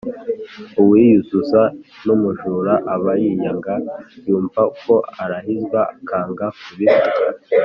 uwiyuzuza n’umujura aba yiyanga, yumva uko arahizwa akanga kubivuga